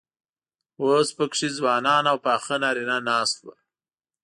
اوس پکې ځوانان او پاخه نارينه ناست وو.